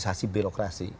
ketiga adalah politik